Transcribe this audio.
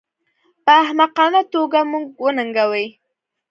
په احمقانه توګه موږ وننګوي